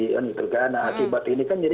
kan gitu kan nah akibat ini kan jadi